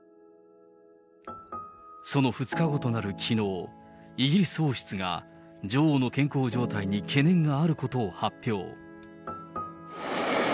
その２日後となるきのう、イギリス王室が女王の健康状態に懸念があることを発表。